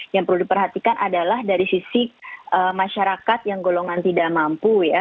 yang perlu diperhatikan adalah dari sisi masyarakat yang golongan tidak mampu ya